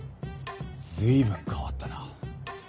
随分変わったな。